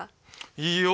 いいよ！